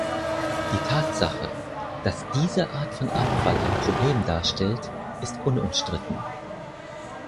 Die Tatsache, dass diese Art von Abfall ein Problem darstellt, ist unumstritten.